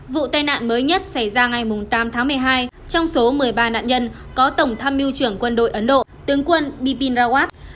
vụ tai nạn mới nhất xảy ra ngày tám tháng một mươi hai trong số một mươi ba nạn nhân có tổng tham mưu trưởng quân đội ấn độ tướng quân dpin rawat